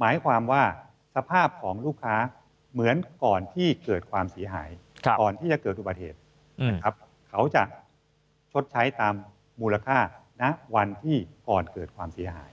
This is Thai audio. หมายความว่าสภาพของลูกค้าเหมือนก่อนที่เกิดความเสียหายก่อนที่จะเกิดอุบัติเหตุนะครับเขาจะชดใช้ตามมูลค่าณวันที่ก่อนเกิดความเสียหาย